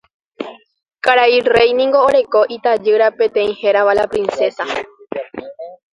Karai rey niko oreko itajýra peteĩ hérava la Princesa.